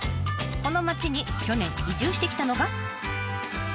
この町に去年移住してきたのが。